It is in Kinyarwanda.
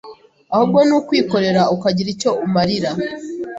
ahubwo ni ukwikorera ukagira icyo umarira